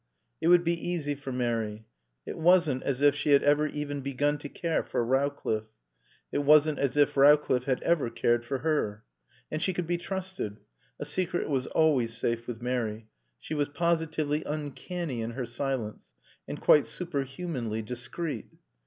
It would be easy for Mary. It wasn't as if she had ever even begun to care for Rowcliffe. It wasn't as if Rowcliffe had ever cared for her. And she could be trusted. A secret was always safe with Mary. She was positively uncanny in her silence, and quite superhumanly discreet.